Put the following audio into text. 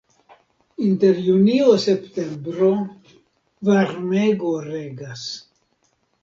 Inter junio-septembro varmego regas.